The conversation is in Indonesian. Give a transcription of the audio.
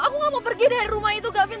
aku gak mau pergi dari rumah itu gavin